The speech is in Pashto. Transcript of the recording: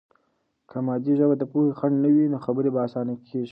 که مادي ژبه د پوهې خنډ نه وي، نو خبرې به آسانه کیږي.